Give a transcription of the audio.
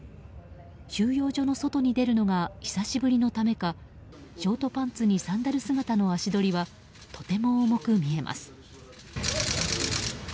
収容所の外に出るのが久しぶりのためかショートパンツにサンダル姿の足取りはとても重く見えます。